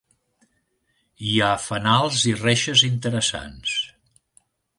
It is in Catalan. Hi ha fanals i reixes interessants.